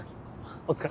おお疲れ。